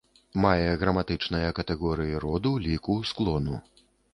Мае граматычныя катэгорыі роду, ліку, склону.